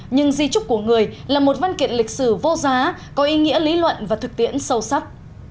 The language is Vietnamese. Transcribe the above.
nhưng di trúc của người là một văn kiện lịch sử vô giá có ý nghĩa lý luận và thực tiễn sâu sắc